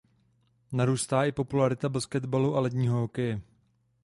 Narůstá i popularita basketbalu a ledního hokeje.